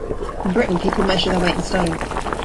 In Britain people measure their weight in stone.